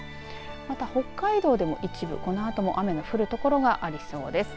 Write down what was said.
また、北海道でも一部このあとも雨の降る所がありそうです。